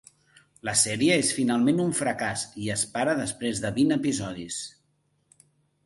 La sèrie és finalment un fracàs i es para després de vint episodis.